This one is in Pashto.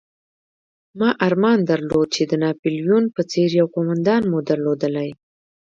ما ارمان درلود چې د ناپلیون په څېر یو قومندان مو درلودلای.